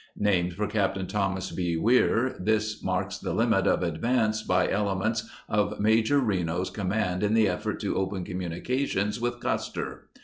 Named for Capt. Thomas B. Weir, this marks the limit of advance by ele ments of Major Reno's com mand in the effort to open communications with Custer.